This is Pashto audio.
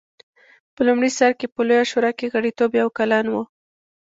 په لومړي سر کې په لویه شورا کې غړیتوب یو کلن و